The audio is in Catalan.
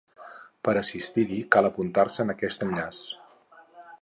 Per assistir-hi cal apuntar-se en aquest enllaç.